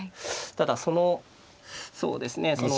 ただそのそうですねその。